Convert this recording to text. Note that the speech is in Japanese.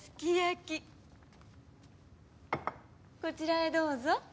こちらへどうぞ。